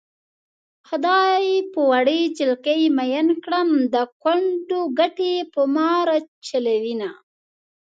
خدای په وړې جلکۍ مئين کړم د کوټنو ګټې په ما راچلوينه